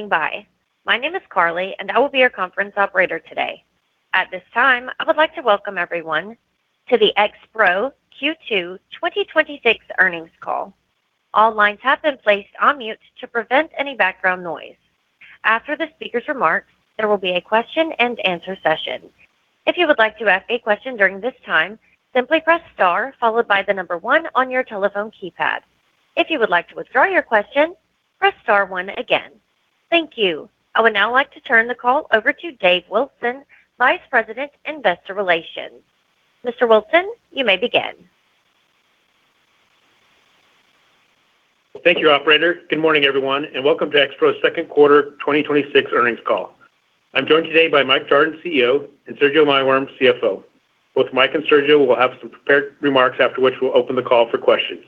Standby. My name is Carly and I will be your conference operator today. At this time, I would like to welcome everyone to the Expro Q2 2026 earnings call. All lines have been placed on mute to prevent any background noise. After the speaker's remarks, there will be a question and answer session. If you would like to ask a question during this time, simply press star followed by the number one on your telephone keypad. If you would like to withdraw your question, press star one again. Thank you. I would now like to turn the call over to Dave Wilson, Vice President, Investor Relations. Mr. Wilson, you may begin. Thank you, operator. Good morning, everyone, and welcome to Expro's second quarter 2026 earnings call. I'm joined today by Mike Jardon, CEO, and Sergio Maiworm, CFO. Both Mike and Sergio will have some prepared remarks, after which we'll open the call for questions.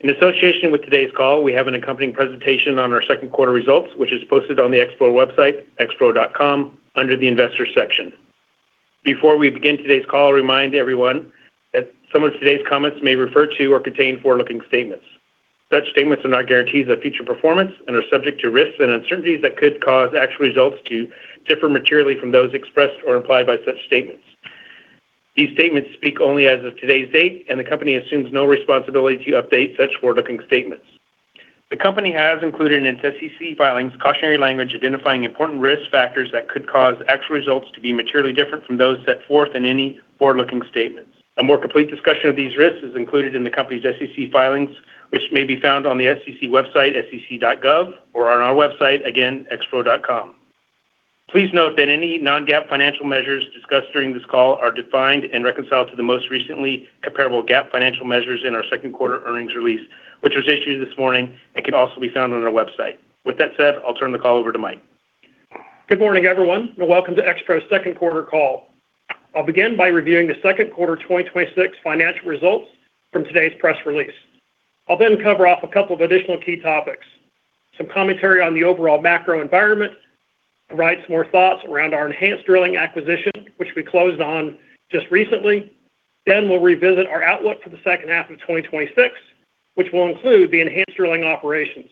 In association with today's call, we have an accompanying presentation on our second quarter results, which is posted on the Expro website, expro.com, under the Investors section. Before we begin today's call, I remind everyone that some of today's comments may refer to or contain forward-looking statements. Such statements are not guarantees of future performance and are subject to risks and uncertainties that could cause actual results to differ materially from those expressed or implied by such statements. These statements speak only as of today's date, and the company assumes no responsibility to update such forward-looking statements. The company has included in its SEC filings cautionary language identifying important risk factors that could cause actual results to be materially different from those set forth in any forward-looking statements. A more complete discussion of these risks is included in the company's SEC filings, which may be found on the SEC website, sec.gov, or on our website, again, expro.com. Please note that any non-GAAP financial measures discussed during this call are defined and reconciled to the most recently comparable GAAP financial measures in our second quarter earnings release, which was issued this morning and can also be found on our website. With that said, I'll turn the call over to Mike. Good morning, everyone, and welcome to Expro's second quarter call. I'll begin by reviewing the second quarter 2026 financial results from today's press release. I'll then cover off a couple of additional key topics, some commentary on the overall macro environment. I'll provide some more thoughts around our Enhanced Drilling acquisition, which we closed on just recently. We'll revisit our outlook for the second half of 2026, which will include the Enhanced Drilling operations.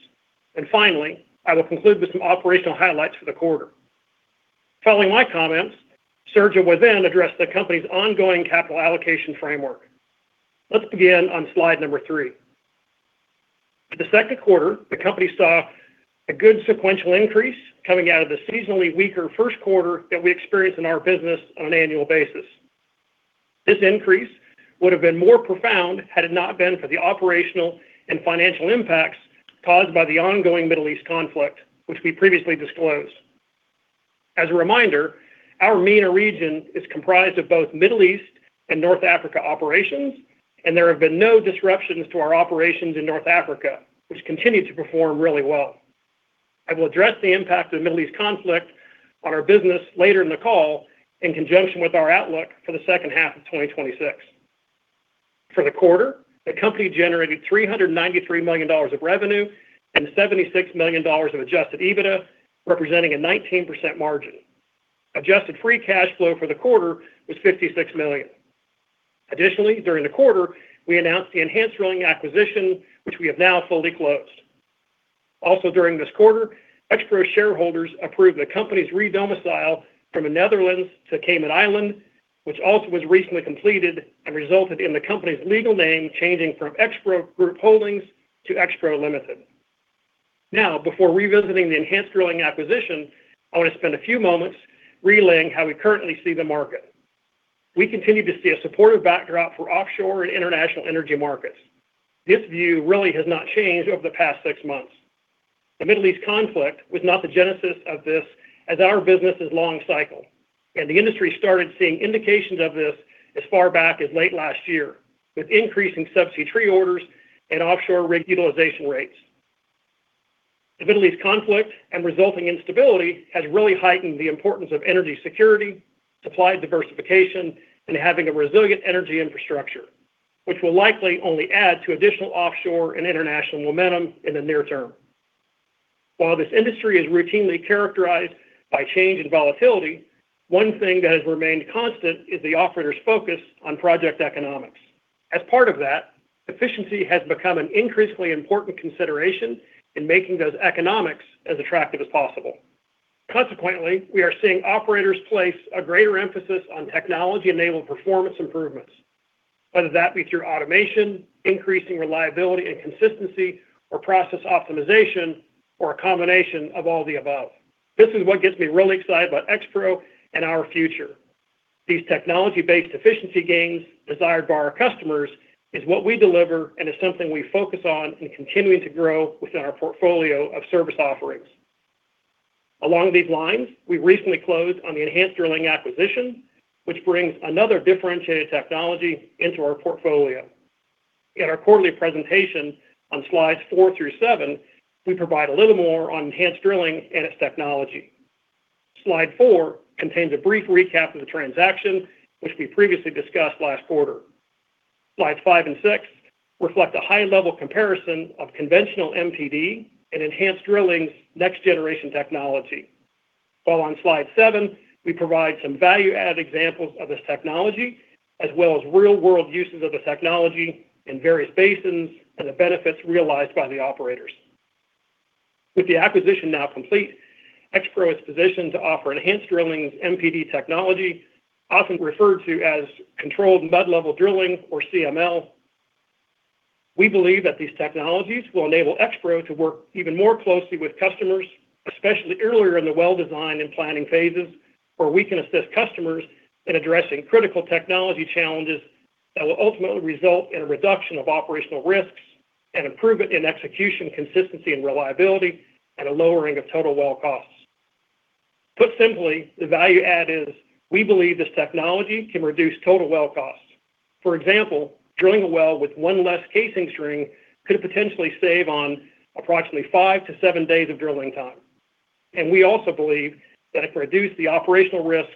Finally, I will conclude with some operational highlights for the quarter. Following my comments, Sergio will then address the company's ongoing capital allocation framework. Let's begin on slide number three. For the second quarter, the company saw a good sequential increase coming out of the seasonally weaker first quarter that we experience in our business on an annual basis. This increase would have been more profound had it not been for the operational and financial impacts caused by the ongoing Middle East conflict, which we previously disclosed. As a reminder, our MENA region is comprised of both Middle East and North Africa operations, and there have been no disruptions to our operations in North Africa, which continue to perform really well. I will address the impact of the Middle East conflict on our business later in the call, in conjunction with our outlook for the second half of 2026. For the quarter, the company generated $393 million of revenue and $76 million of adjusted EBITDA, representing a 19% margin. Adjusted free cash flow for the quarter was $56 million. Additionally, during the quarter, we announced the Enhanced Drilling acquisition, which we have now fully closed. During this quarter, Expro shareholders approved the company's re-domicile from the Netherlands to Cayman Islands, which also was recently completed and resulted in the company's legal name changing from Expro Group Holdings to Expro Limited. Before revisiting the Enhanced Drilling acquisition, I want to spend a few moments relaying how we currently see the market. We continue to see a supportive backdrop for offshore and international energy markets. This view really has not changed over the past six months. The Middle East conflict was not the genesis of this, as our business is long cycle, and the industry started seeing indications of this as far back as late last year, with increasing subsea tree orders and offshore rig utilization rates. The Middle East conflict and resulting instability has really heightened the importance of energy security, supply diversification, and having a resilient energy infrastructure, which will likely only add to additional offshore and international momentum in the near term. While this industry is routinely characterized by change and volatility, one thing that has remained constant is the operators' focus on project economics. As part of that, efficiency has become an increasingly important consideration in making those economics as attractive as possible. Consequently, we are seeing operators place a greater emphasis on technology-enabled performance improvements, whether that be through automation, increasing reliability and consistency, or process optimization, or a combination of all the above. This is what gets me really excited about Expro and our future. These technology-based efficiency gains desired by our customers is what we deliver and is something we focus on in continuing to grow within our portfolio of service offerings. Along these lines, we recently closed on the Enhanced Drilling acquisition, which brings another differentiated technology into our portfolio. In our quarterly presentation on slides four through seven, we provide a little more on Enhanced Drilling and its technology. Slide four contains a brief recap of the transaction, which we previously discussed last quarter. Slides five and six reflect a high-level comparison of conventional MPD and Enhanced Drilling's next-generation technology On slide seven, we provide some value-added examples of this technology, as well as real-world uses of the technology in various basins and the benefits realized by the operators. With the acquisition now complete, Expro is positioned to offer Enhanced Drilling's MPD technology, often referred to as controlled mud level drilling or CML. We believe that these technologies will enable Expro to work even more closely with customers, especially earlier in the well design and planning phases, where we can assist customers in addressing critical technology challenges that will ultimately result in a reduction of operational risks and improvement in execution consistency and reliability, and a lowering of total well costs. Put simply, the value add is, we believe this technology can reduce total well costs. For example, drilling a well with one less casing string could potentially save on approximately five to seven days of drilling time. We also believe that it reduced the operational risk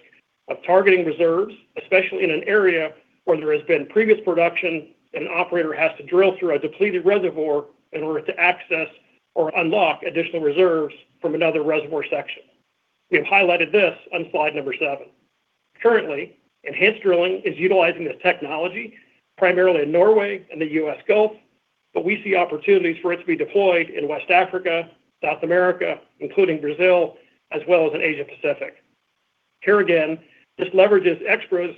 of targeting reserves, especially in an area where there has been previous production and an operator has to drill through a depleted reservoir in order to access or unlock additional reserves from another reservoir section. We have highlighted this on slide number seven. Currently, Enhanced Drilling is utilizing this technology primarily in Norway and the U.S. Gulf, but we see opportunities for it to be deployed in West Africa, South America, including Brazil, as well as in Asia-Pacific. Here again, this leverages Expro's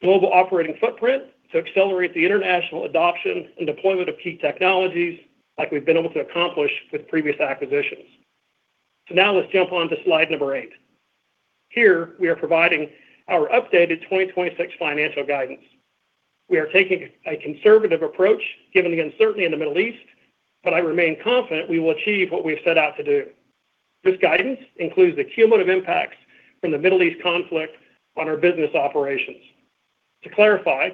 global operating footprint to accelerate the international adoption and deployment of key technologies like we've been able to accomplish with previous acquisitions. Now let's jump onto slide number eight. Here, we are providing our updated 2026 financial guidance. We are taking a conservative approach given the uncertainty in the Middle East, but I remain confident we will achieve what we've set out to do. This guidance includes the cumulative impacts from the Middle East conflict on our business operations. To clarify,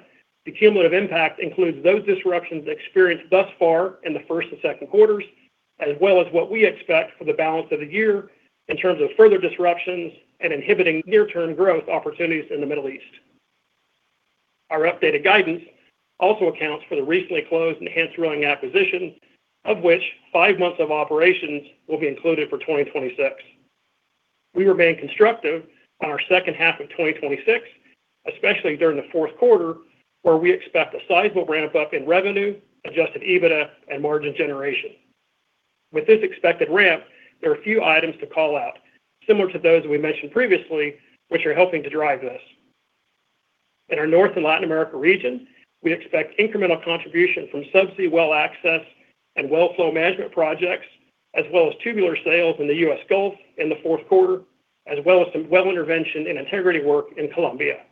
the cumulative impact includes those disruptions experienced thus far in the first and second quarters, as well as what we expect for the balance of the year in terms of further disruptions and inhibiting near-term growth opportunities in the Middle East. Our updated guidance also accounts for the recently closed Enhanced Drilling acquisition, of which five months of operations will be included for 2026. We remain constructive on our second half of 2026, especially during the fourth quarter, where we expect a sizable ramp-up in revenue, adjusted EBITDA, and margin generation. With this expected ramp, there are a few items to call out, similar to those we mentioned previously, which are helping to drive this. In our North and Latin America region, we expect incremental contribution from subsea well access and well flow management projects, as well as tubular sales in the U.S. Gulf in the fourth quarter, as well as some well intervention and integrity work in Colombia.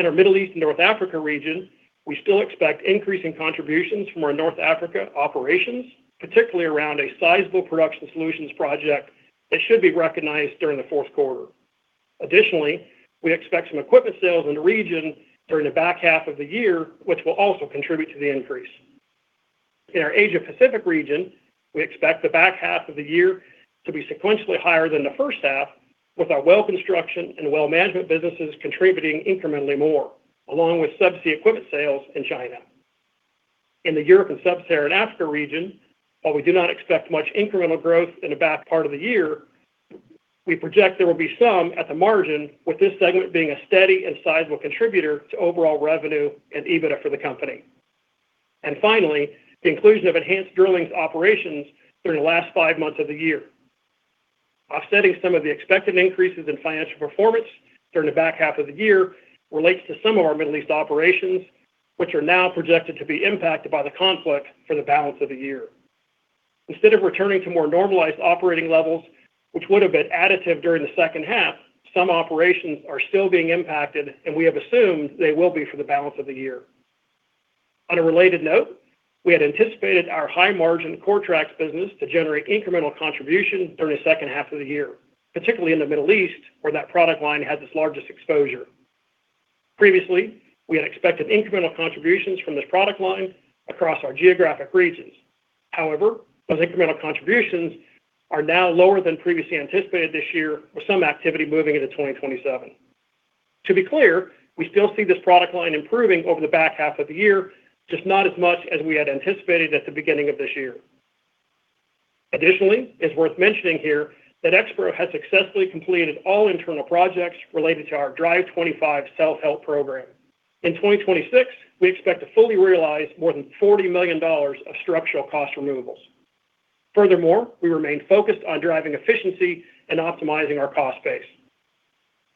In our Middle East and North Africa region, we still expect increasing contributions from our North Africa operations, particularly around a sizable production solutions project that should be recognized during the fourth quarter. Additionally, we expect some equipment sales in the region during the back half of the year, which will also contribute to the increase. In our Asia-Pacific region, we expect the back half of the year to be sequentially higher than the first half with our well construction and well management businesses contributing incrementally more, along with subsea equipment sales in China. In the Europe and Sub-Saharan Africa region, while we do not expect much incremental growth in the back part of the year, we project there will be some at the margin with this segment being a steady and sizable contributor to overall revenue and EBITDA for the company. Finally, the inclusion of Enhanced Drilling's operations during the last five months of the year. Offsetting some of the expected increases in financial performance during the back half of the year relates to some of our Middle East operations, which are now projected to be impacted by the conflict for the balance of the year. Instead of returning to more normalized operating levels, which would've been additive during the second half, some operations are still being impacted, and we have assumed they will be for the balance of the year. On a related note, we had anticipated our high-margin Coretrax business to generate incremental contribution during the second half of the year, particularly in the Middle East, where that product line has its largest exposure. Previously, we had expected incremental contributions from this product line across our geographic regions. However, those incremental contributions are now lower than previously anticipated this year, with some activity moving into 2027. To be clear, we still see this product line improving over the back half of the year, just not as much as we had anticipated at the beginning of this year. Additionally, it's worth mentioning here that Expro has successfully completed all internal projects related to our Drive25 self-help program. In 2026, we expect to fully realize more than $40 million of structural cost removals. Furthermore, we remain focused on driving efficiency and optimizing our cost base.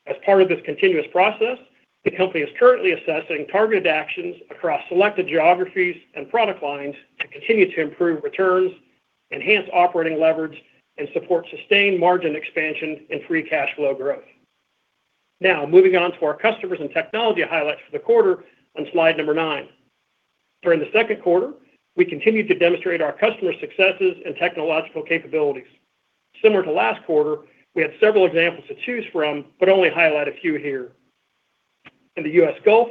As part of this continuous process, the company is currently assessing targeted actions across selected geographies and product lines to continue to improve returns, enhance operating leverage, and support sustained margin expansion and free cash flow growth. Moving on to our customers and technology highlights for the quarter on slide number nine. During the second quarter, we continued to demonstrate our customer successes and technological capabilities. Similar to last quarter, we had several examples to choose from but only highlight a few here. In the U.S. Gulf,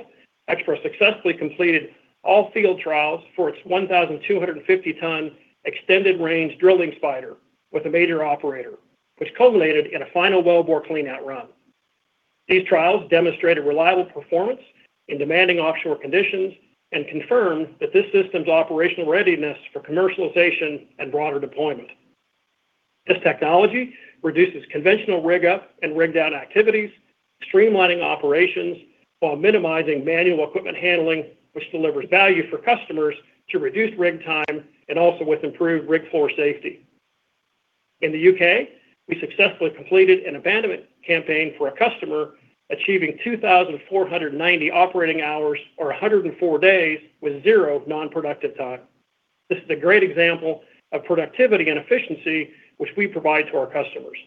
Expro successfully completed all field trials for its 1,250-ton extended range drilling spider with a major operator, which culminated in a final wellbore cleanout run. These trials demonstrated reliable performance in demanding offshore conditions and confirmed that this system's operational readiness for commercialization and broader deployment. This technology reduces conventional rig up and rig down activities, streamlining operations while minimizing manual equipment handling, which delivers value for customers to reduce rig time and also with improved rig floor safety. In the U.K., we successfully completed an abandonment campaign for a customer achieving 2,490 operating hours or 104 days with zero non-productive time. This is a great example of productivity and efficiency, which we provide to our customers.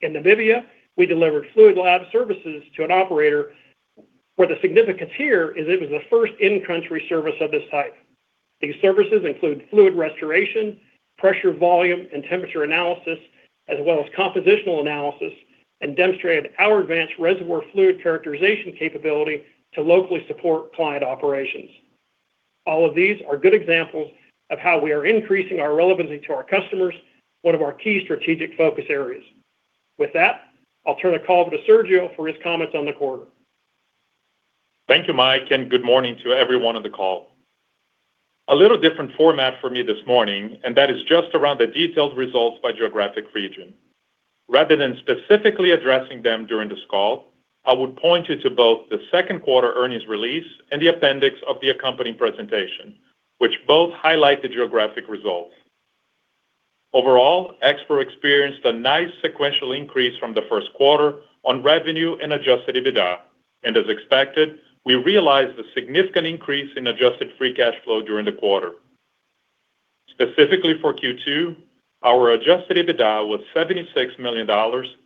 In Namibia, we delivered fluid lab services to an operator, where the significance here is it was the first in-country service of this type. These services include fluid restoration, pressure, volume, and temperature analysis, as well as compositional analysis, and demonstrated our advanced reservoir fluid characterization capability to locally support client operations. All of these are good examples of how we are increasing our relevancy to our customers, one of our key strategic focus areas. With that, I'll turn the call over to Sergio for his comments on the quarter. Thank you, Mike, and good morning to everyone on the call. A little different format for me this morning, and that is just around the detailed results by geographic region. Rather than specifically addressing them during this call, I would point you to both the second quarter earnings release and the appendix of the accompanying presentation, which both highlight the geographic results. Overall, Expro experienced a nice sequential increase from the first quarter on revenue and adjusted EBITDA. As expected, we realized a significant increase in adjusted free cash flow during the quarter. Specifically for Q2, our adjusted EBITDA was $76 million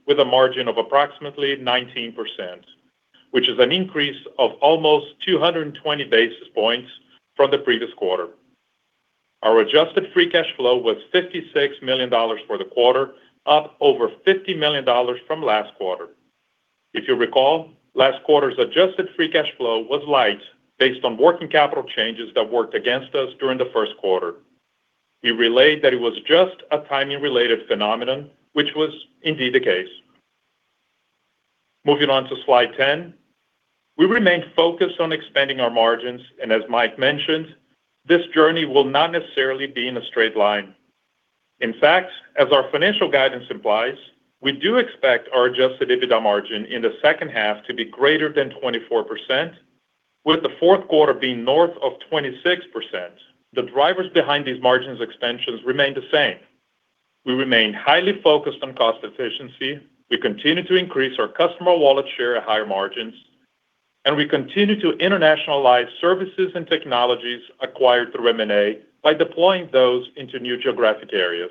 with a margin of approximately 19%, which is an increase of almost 220 basis points from the previous quarter. Our adjusted free cash flow was $56 million for the quarter, up over $50 million from last quarter. If you recall, last quarter's adjusted free cash flow was light based on working capital changes that worked against us during the first quarter. We relayed that it was just a timing related phenomenon, which was indeed the case. Moving on to slide 10. We remain focused on expanding our margins. As Mike mentioned, this journey will not necessarily be in a straight line. In fact, as our financial guidance implies, we do expect our adjusted EBITDA margin in the second half to be greater than 24%, with the fourth quarter being north of 26%. The drivers behind these margins expansions remain the same. We remain highly focused on cost efficiency. We continue to increase our customer wallet share at higher margins. We continue to internationalize services and technologies acquired through M&A by deploying those into new geographic areas.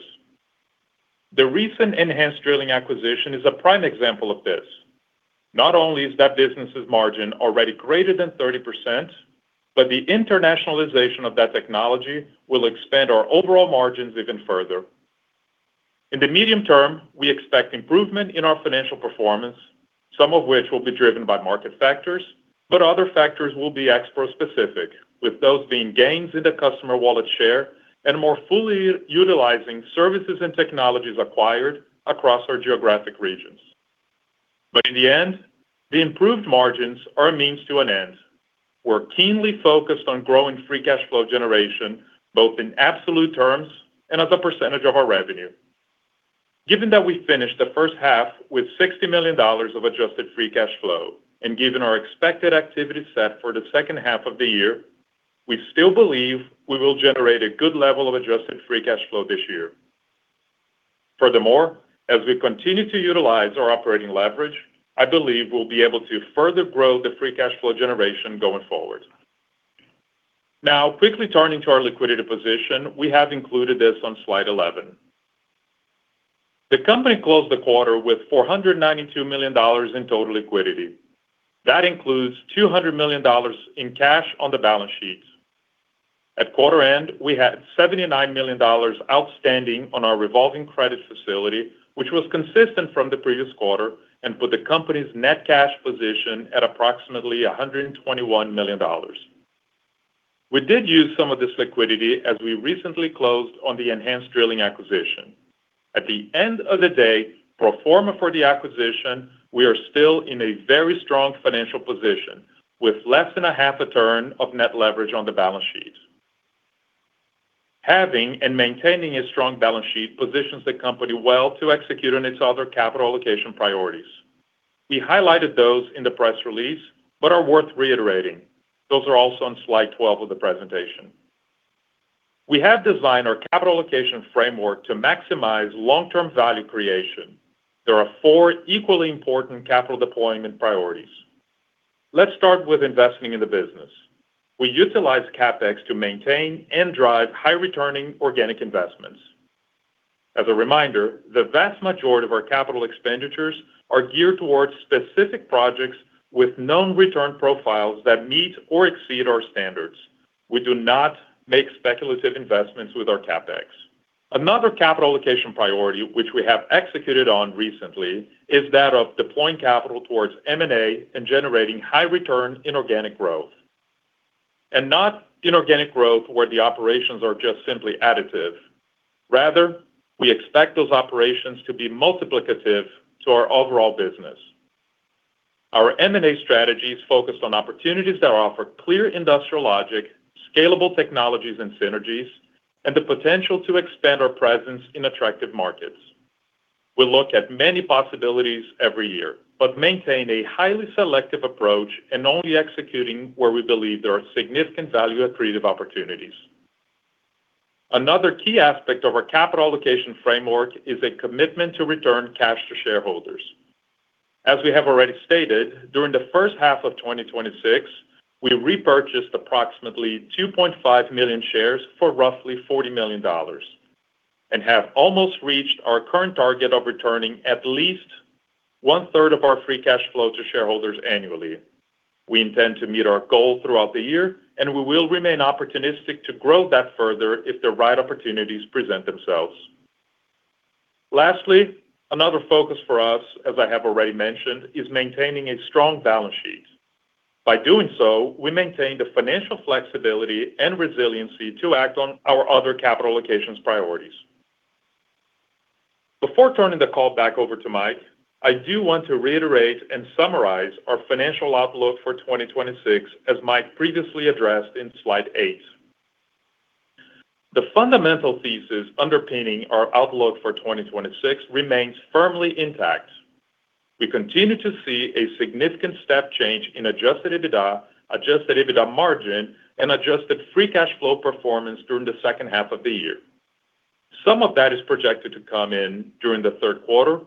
The recent Enhanced Drilling acquisition is a prime example of this. Not only is that business's margin already greater than 30%, the internationalization of that technology will expand our overall margins even further. In the medium term, we expect improvement in our financial performance, some of which will be driven by market factors, but other factors will be Expro-specific, with those being gains in the customer wallet share and more fully utilizing services and technologies acquired across our geographic regions. In the end, the improved margins are a means to an end. We're keenly focused on growing free cash flow generation, both in absolute terms and as a percentage of our revenue. Given that we finished the first half with $60 million of adjusted free cash flow, given our expected activity set for the second half of the year, we still believe we will generate a good level of adjusted free cash flow this year. Furthermore, as we continue to utilize our operating leverage, I believe we'll be able to further grow the free cash flow generation going forward. Quickly turning to our liquidity position. We have included this on slide 11. The company closed the quarter with $492 million in total liquidity. That includes $200 million in cash on the balance sheet. At quarter end, we had $79 million outstanding on our revolving credit facility, which was consistent from the previous quarter and put the company's net cash position at approximately $121 million. We did use some of this liquidity as we recently closed on the Enhanced Drilling acquisition. At the end of the day, pro forma for the acquisition, we are still in a very strong financial position with less than a half a turn of net leverage on the balance sheet. Having and maintaining a strong balance sheet positions the company well to execute on its other capital allocation priorities. We highlighted those in the press release but are worth reiterating. Those are also on slide 12 of the presentation. We have designed our capital allocation framework to maximize long-term value creation. There are four equally important capital deployment priorities. Let's start with investing in the business. We utilize CapEx to maintain and drive high-returning organic investments. As a reminder, the vast majority of our capital expenditures are geared towards specific projects with known return profiles that meet or exceed our standards. We do not make speculative investments with our CapEx. Another capital allocation priority which we have executed on recently is that of deploying capital towards M&A and generating high return in organic growth. Not inorganic growth where the operations are just simply additive. Rather, we expect those operations to be multiplicative to our overall business. Our M&A strategy is focused on opportunities that offer clear industrial logic, scalable technologies and synergies, and the potential to expand our presence in attractive markets. We look at many possibilities every year but maintain a highly selective approach and only executing where we believe there are significant value accretive opportunities. Another key aspect of our capital allocation framework is a commitment to return cash to shareholders. As we have already stated, during the first half of 2026, we repurchased approximately 2.5 million shares for roughly $40 million and have almost reached our current target of returning at least one-third of our free cash flow to shareholders annually. We intend to meet our goal throughout the year, we will remain opportunistic to grow that further if the right opportunities present themselves. Lastly, another focus for us, as I have already mentioned, is maintaining a strong balance sheet. By doing so, we maintain the financial flexibility and resiliency to act on our other capital allocations priorities. Before turning the call back over to Mike, I do want to reiterate and summarize our financial outlook for 2026, as Mike previously addressed in slide eight. The fundamental thesis underpinning our outlook for 2026 remains firmly intact. We continue to see a significant step change in adjusted EBITDA, adjusted EBITDA margin, and adjusted free cash flow performance during the second half of the year. Some of that is projected to come in during the third quarter,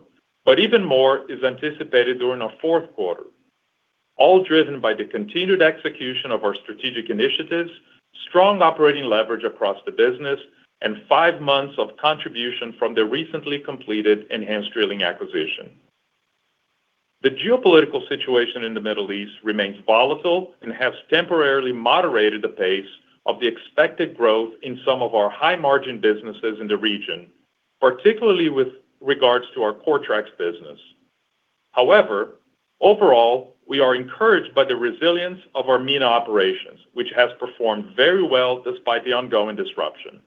but even more is anticipated during our fourth quarter, all driven by the continued execution of our strategic initiatives, strong operating leverage across the business, and five months of contribution from the recently completed Enhanced Drilling acquisition. The geopolitical situation in the Middle East remains volatile and has temporarily moderated the pace of the expected growth in some of our high-margin businesses in the region, particularly with regards to our Coretrax business. However, overall, we are encouraged by the resilience of our MENA operations, which has performed very well despite the ongoing disruption.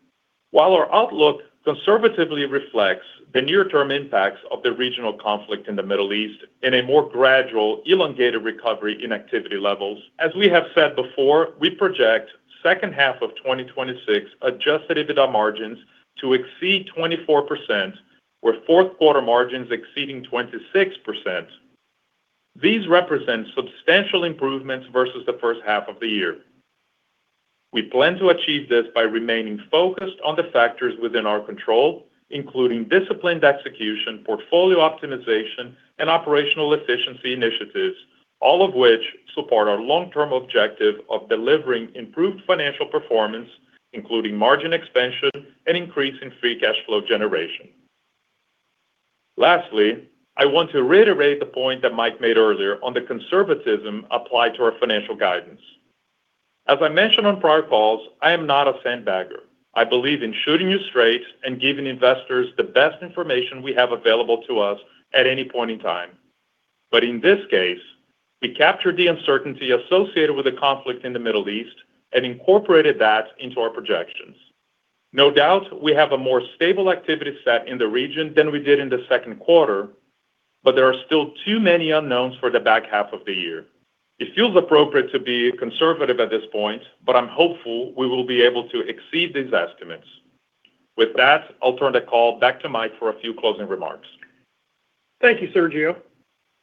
While our outlook conservatively reflects the near-term impacts of the regional conflict in the Middle East and a more gradual, elongated recovery in activity levels, as we have said before, we project second half of 2026 adjusted EBITDA margins to exceed 24%, with fourth-quarter margins exceeding 26%. These represent substantial improvements versus the first half of the year. We plan to achieve this by remaining focused on the factors within our control, including disciplined execution, portfolio optimization, and operational efficiency initiatives, all of which support our long-term objective of delivering improved financial performance, including margin expansion and increase in free cash flow generation. Lastly, I want to reiterate the point that Mike made earlier on the conservatism applied to our financial guidance. As I mentioned on prior calls, I am not a sandbagger. I believe in shooting you straight and giving investors the best information we have available to us at any point in time. In this case, we captured the uncertainty associated with the conflict in the Middle East and incorporated that into our projections. No doubt, we have a more stable activity set in the region than we did in the second quarter, but there are still too many unknowns for the back half of the year. It feels appropriate to be conservative at this point, but I'm hopeful we will be able to exceed these estimates. With that, I'll turn the call back to Mike for a few closing remarks. Thank you, Sergio.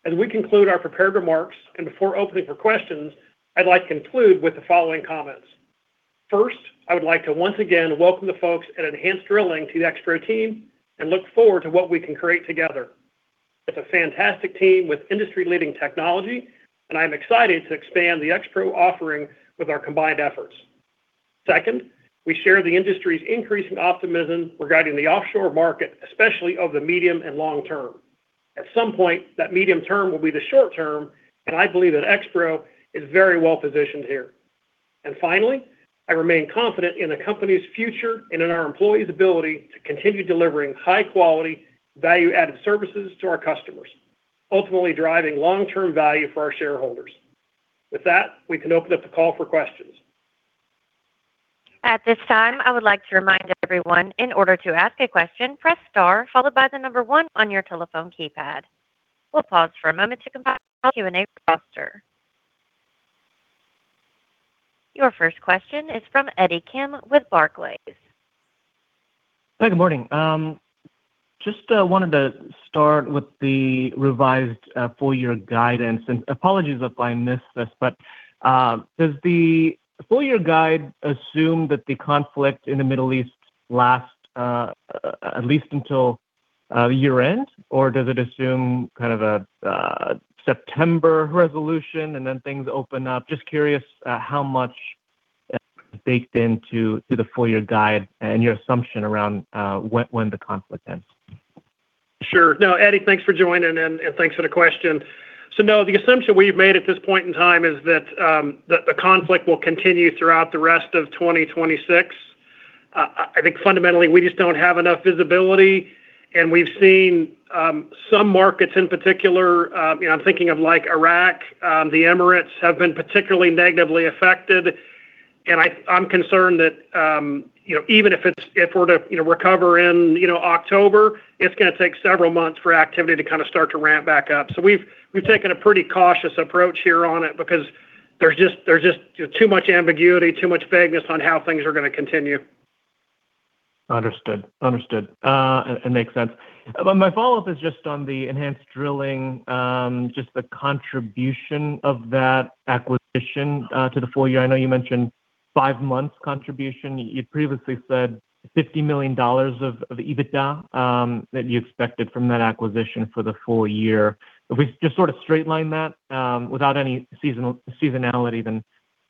As we conclude our prepared remarks and before opening for questions, I'd like to conclude with the following comments. First, I would like to once again welcome the folks at Enhanced Drilling to the Expro team and look forward to what we can create together. It's a fantastic team with industry-leading technology, and I'm excited to expand the Expro offering with our combined efforts. Second, we share the industry's increasing optimism regarding the offshore market, especially over the medium and long term. At some point, that medium term will be the short term, and I believe that Expro is very well positioned here. Finally, I remain confident in the company's future and in our employees' ability to continue delivering high-quality, value-added services to our customers, ultimately driving long-term value for our shareholders. With that, we can open up the call for questions. At this time, I would like to remind everyone, in order to ask a question, press star, followed by the number one on your telephone keypad. We'll pause for a moment to compile our Q&A roster. Your first question is from Eddie Kim with Barclays. Hi, good morning. Just wanted to start with the revised full-year guidance. Apologies if I missed this, does the full-year guide assume that the conflict in the Middle East lasts at least until year-end? Does it assume kind of a September resolution, things open up? Just curious how much is baked into the full-year guide and your assumption around when the conflict ends. Sure. No, Eddie, thanks for joining in and thanks for the question. The assumption we've made at this point in time is that the conflict will continue throughout the rest of 2026. I think fundamentally we just don't have enough visibility, and we've seen some markets in particular, I'm thinking of like Iraq, the Emirates, have been particularly negatively affected. I'm concerned that even if we're to recover in October, it's going to take several months for activity to start to ramp back up. We've taken a pretty cautious approach here on it because there's just too much ambiguity, too much vagueness on how things are going to continue. Understood. It makes sense. My follow-up is just on the Enhanced Drilling, just the contribution of that acquisition to the full year. I know you mentioned five months contribution. You previously said $50 million of EBITDA that you expected from that acquisition for the full year.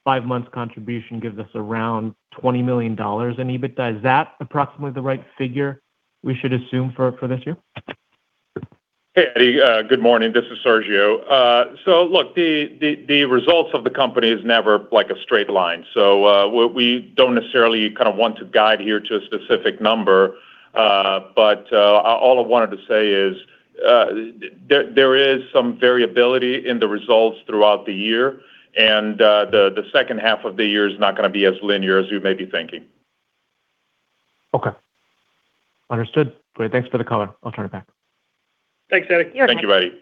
Five months contribution gives us around $20 million in EBITDA. Is that approximately the right figure we should assume for this year? Hey, good morning. This is Sergio. Look, the results of the company are never a straight line. We don't necessarily want to guide here to a specific number. All I wanted to say is there is some variability in the results throughout the year, and the second half of the year is not going to be as linear as you may be thinking. Okay. Understood. Great. Thanks for the color. I'll turn it back. Thanks, Eddie. Thank you, Eddie.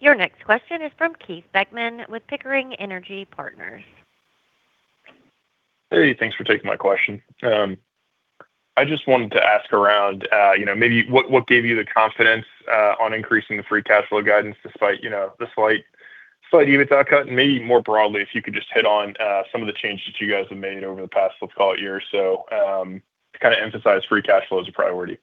Your next question is from Keith Beckmann with Pickering Energy Partners. Hey, thanks for taking my question. I just wanted to ask around, maybe what gave you the confidence on increasing the free cash flow guidance despite the slight EBITDA cut? Maybe more broadly, if you could just hit on some of the changes you guys have made over the past, let's call it a year or so, to kind of emphasize free cash flow as a priority.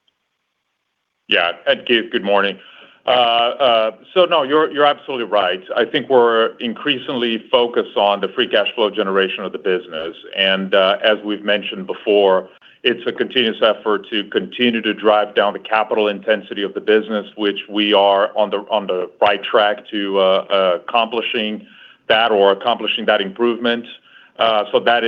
Yeah. Keith, good morning. No, you're absolutely right. I think we're increasingly focused on the free cash flow generation of the business. As we've mentioned before, it's a continuous effort to continue to drive down the capital intensity of the business, which we are on the right track to accomplishing that or accomplishing that improvement. That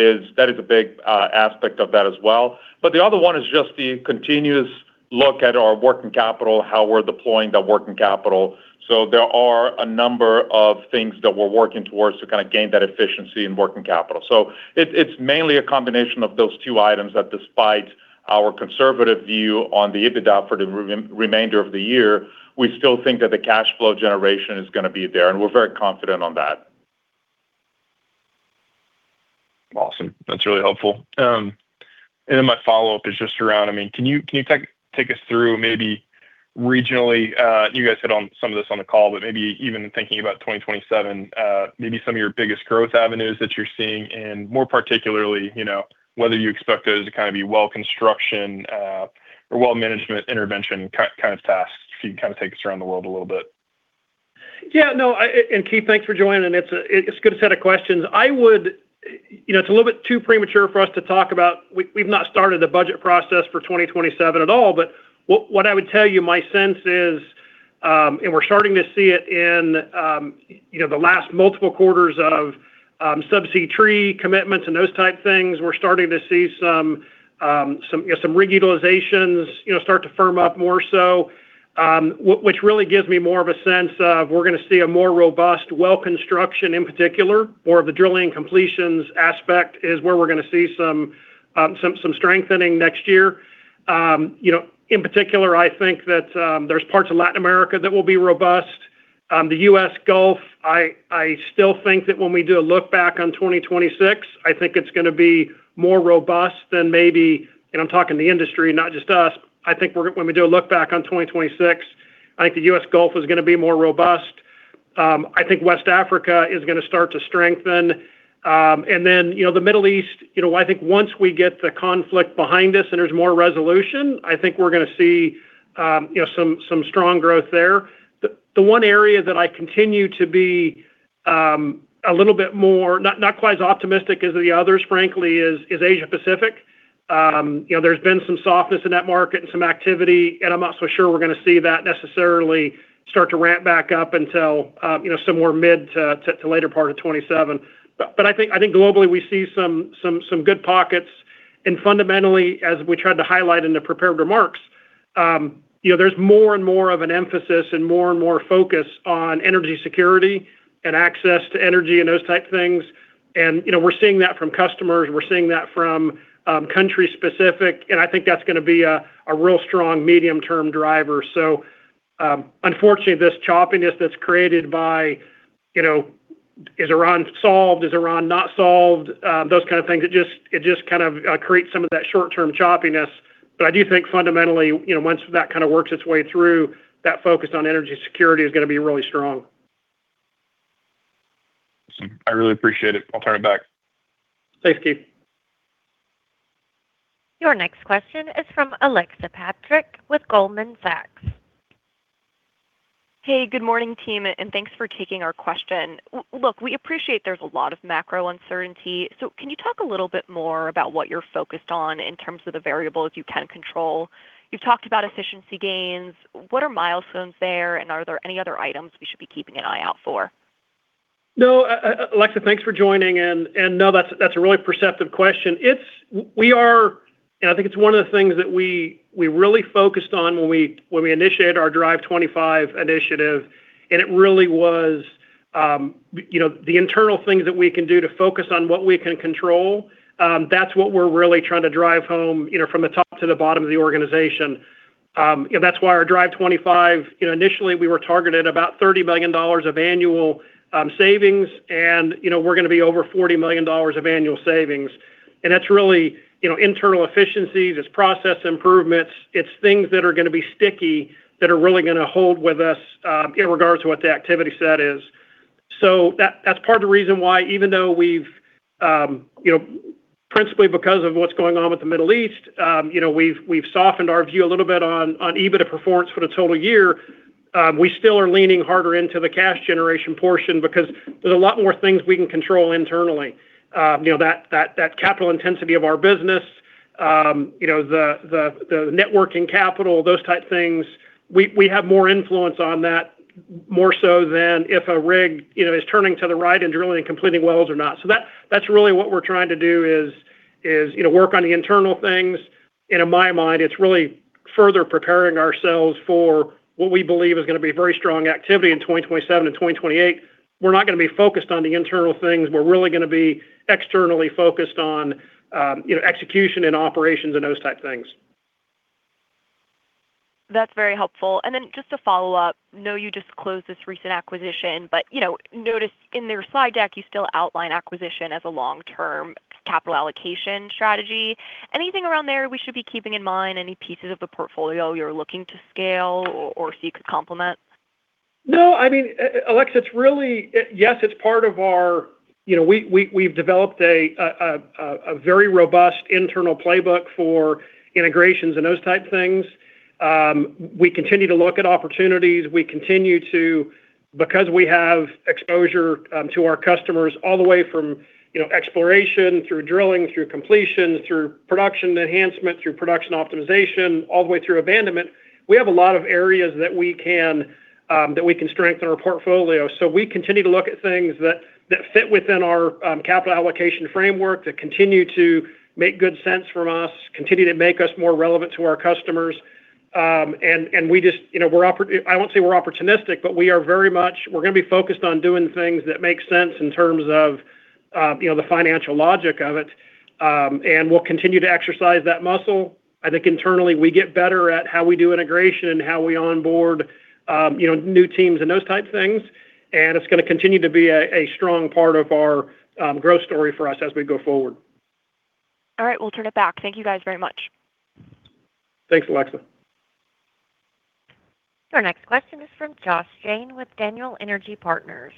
is a big aspect of that as well. The other one is just the continuous look at our working capital, how we're deploying the working capital. There are a number of things that we're working towards to gain that efficiency in working capital. It's mainly a combination of those two items that despite our conservative view on the EBITDA for the remainder of the year, we still think that the cash flow generation is going to be there, and we're very confident on that. Awesome. That's really helpful. My follow-up is just around, can you take us through maybe regionally, you guys hit on some of this on the call, but maybe even thinking about 2027, maybe some of your biggest growth avenues that you're seeing, and more particularly, whether you expect those to be well construction, or well management intervention kind of tasks. If you can kind of take us around the world a little bit. No, Keith, thanks for joining. It's a good set of questions. It's a little bit too premature for us to talk about. We've not started the budget process for 2027 at all. What I would tell you, my sense is, we're starting to see it in the last multiple quarters of subsea tree commitments and those type things. We're starting to see some reutilizations start to firm up more so, which really gives me more of a sense of we're going to see a more robust well construction in particular, more of the drilling completions aspect is where we're going to see some strengthening next year. In particular, I think that there's parts of Latin America that will be robust. The U.S. Gulf, I still think that when we do a look back on 2026, I think it's going to be more robust than maybe, and I'm talking the industry, not just us. I think when we do a look back on 2026, I think the U.S. Gulf is going to be more robust. I think West Africa is going to start to strengthen. The Middle East, I think once we get the conflict behind us and there's more resolution, I think we're going to see some strong growth there. The one area that I continue to be a little bit more, not quite as optimistic as the others, frankly, is Asia-Pacific. There's been some softness in that market and some activity, and I'm not so sure we're going to see that necessarily start to ramp back up until somewhere mid to later part of 2027. I think globally we see some good pockets. Fundamentally, as we tried to highlight in the prepared remarks, there's more and more of an emphasis and more and more focus on energy security and access to energy and those type things. We're seeing that from customers, we're seeing that from country specific, and I think that's going to be a real strong medium-term driver. Unfortunately, this choppiness that's created by, is Iran solved? Is Iran not solved? Those kind of things. It just kind of creates some of that short-term choppiness. I do think fundamentally, once that works its way through, that focus on energy security is going to be really strong. Awesome. I really appreciate it. I'll turn it back. Thanks, Keith. Your next question is from Alexa Petrick with Goldman Sachs. Hey and good morning team, thanks for taking our question. We appreciate there's a lot of macro uncertainty. Can you talk a little bit more about what you're focused on in terms of the variables you can control? You've talked about efficiency gains. What are milestones there? Are there any other items we should be keeping an eye out for? Alexa, thanks for joining. That's a really perceptive question. I think it's one of the things that we really focused on when we initiated our Drive25 initiative. It really was the internal things that we can do to focus on what we can control. That's what we're really trying to drive home from the top to the bottom of the organization. That's why our Drive25, initially we were targeted about $30 million of annual savings. We're going to be over $40 million of annual savings. That's really internal efficiencies, it's process improvements, it's things that are going to be sticky, that are really going to hold with us, in regards to what the activity set is. That's part of the reason why, principally because of what's going on with the Middle East, we've softened our view a little bit on EBITDA performance for the total year. We still are leaning harder into the cash generation portion because there's a lot more things we can control internally. That capital intensity of our business, the net working capital, those type things, we have more influence on that, more so than if a rig is turning to the right and drilling and completing wells or not. That's really what we're trying to do is work on the internal things. In my mind, it's really further preparing ourselves for what we believe is going to be very strong activity in 2027 and 2028. We're not going to be focused on the internal things. We're really going to be externally focused on execution and operations and those type things. That's very helpful. Just to follow up, know you just closed this recent acquisition. Noticed in your slide deck you still outline acquisition as a long-term capital allocation strategy. Anything around there we should be keeping in mind? Any pieces of the portfolio you're looking to scale or seek to complement? No, Alexa, yes, we've developed a very robust internal playbook for integrations and those type things. We continue to look at opportunities. Because we have exposure to our customers all the way from exploration through drilling, through completion, through production enhancement, through production optimization, all the way through abandonment, we have a lot of areas that we can strengthen our portfolio. We continue to look at things that fit within our capital allocation framework that continue to make good sense from us, continue to make us more relevant to our customers. I won't say we're opportunistic, but we're going to be focused on doing things that make sense in terms of the financial logic of it. We'll continue to exercise that muscle. I think internally, we get better at how we do integration and how we onboard new teams and those type things. It's going to continue to be a strong part of our growth story for us as we go forward. All right, we'll turn it back. Thank you guys very much. Thanks, Alexa. Your next question is from Josh Jayne with Daniel Energy Partners.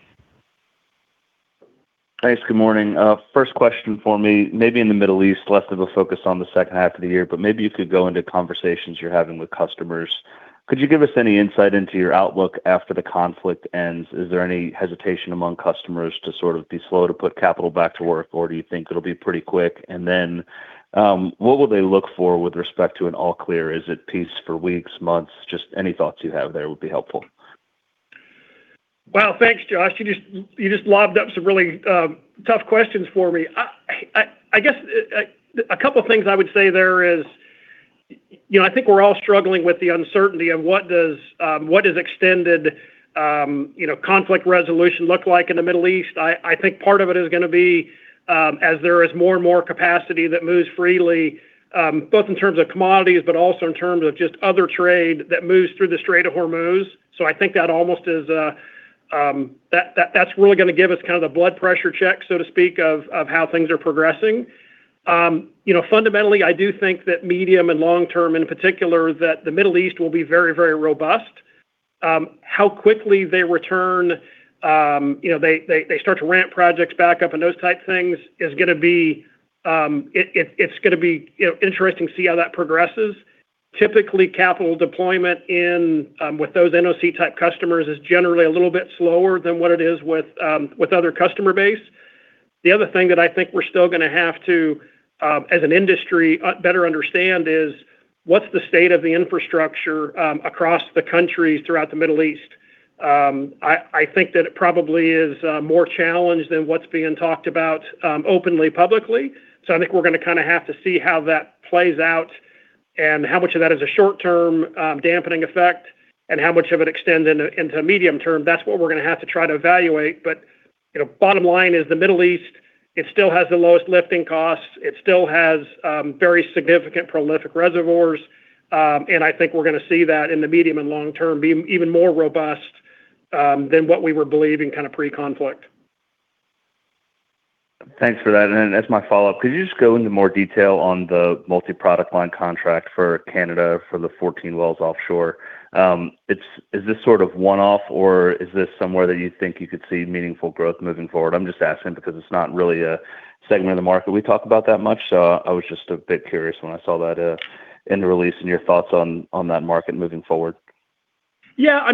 Thanks. Good morning. First question for me, maybe in the Middle East, less of a focus on the second half of the year, but maybe you could go into conversations you're having with customers. Could you give us any insight into your outlook after the conflict ends? Is there any hesitation among customers to sort of be slow to put capital back to work, or do you think it'll be pretty quick? What will they look for with respect to an all clear? Is it peace for weeks, months? Just any thoughts you have there would be helpful. Wow. Thanks, Josh. You just lobbed up some really tough questions for me. I guess a couple of things I would say there is, I think we're all struggling with the uncertainty of what does extended conflict resolution look like in the Middle East. I think part of it is going to be, as there is more and more capacity that moves freely, both in terms of commodities, but also in terms of just other trade that moves through the Strait of Hormuz. I think that's really gonna give us kind of the blood pressure check, so to speak, of how things are progressing. Fundamentally, I do think that medium and long-term, in particular, that the Middle East will be very, very robust. How quickly they return, they start to ramp projects back up and those type things, it's gonna be interesting to see how that progresses. Typically, capital deployment with those NOC-type customers is generally a little bit slower than what it is with other customer base. The other thing that I think we're still gonna have to, as an industry, better understand is what's the state of the infrastructure across the countries throughout the Middle East. I think that it probably is more challenged than what's being talked about openly, publicly. I think we're gonna have to see how that plays out and how much of that is a short-term dampening effect, and how much of it extends into medium-term. That's what we're gonna have to try to evaluate. Bottom line is the Middle East, it still has the lowest lifting costs. It still has very significant prolific reservoirs. I think we're gonna see that in the medium and long-term, be even more robust than what we were believing pre-conflict. Thanks for that. As my follow-up, could you just go into more detail on the multi-product line contract for Canada for the 14 wells offshore? Is this sort of one-off or is this somewhere that you think you could see meaningful growth moving forward? I'm just asking because it's not really a segment of the market we talk about that much. I was just a bit curious when I saw that in the release and your thoughts on that market moving forward. Yeah.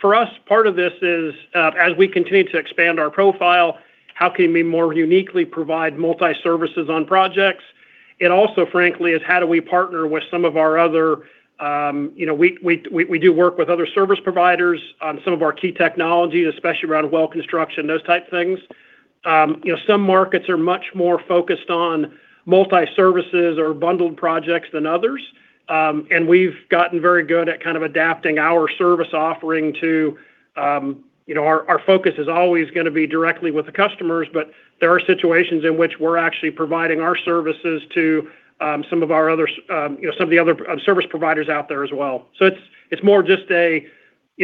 For us, part of this is, as we continue to expand our profile, how can we more uniquely provide multi-services on projects? It also, frankly, is how do we partner with some of our other service providers on some of our key technologies, especially around well construction, those type things. Some markets are much more focused on multi-services or bundled projects than others. We've gotten very good at adapting our service offering to Our focus is always gonna be directly with the customers, but there are situations in which we're actually providing our services to some of the other service providers out there as well.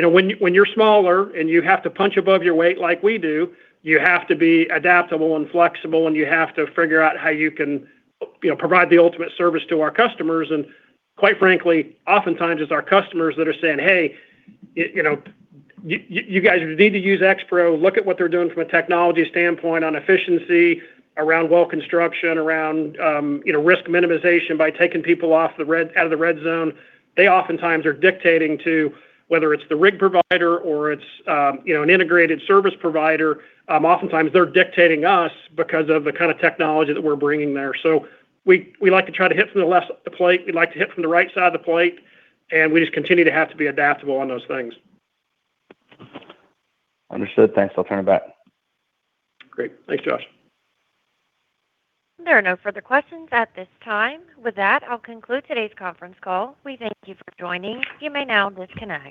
When you're smaller and you have to punch above your weight like we do, you have to be adaptable and flexible, and you have to figure out how you can provide the ultimate service to our customers. Quite frankly, oftentimes it's our customers that are saying, Hey, you guys need to use Expro. Look at what they're doing from a technology standpoint on efficiency around well construction, around risk minimization by taking people out of the red zone." They oftentimes are dictating to, whether it's the rig provider or it's an integrated service provider, oftentimes they're dictating us because of the kind of technology that we're bringing there. We like to try to hit from the left of the plate, we like to hit from the right side of the plate, and we just continue to have to be adaptable on those things. Understood. Thanks. I'll turn it back. Great. Thanks, Josh. There are no further questions at this time. With that, I'll conclude today's conference call. We thank you for joining. You may now disconnect.